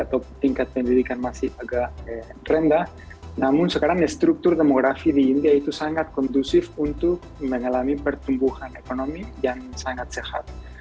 atau tingkat pendidikan masih agak rendah namun sekarang struktur demografi di india itu sangat kondusif untuk mengalami pertumbuhan ekonomi yang sangat sehat